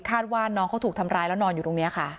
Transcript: ว่าน้องเขาถูกทำร้ายแล้วนอนอยู่ตรงนี้ค่ะ